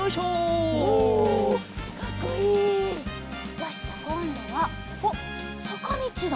よしじゃあこんどはあっさかみちだ！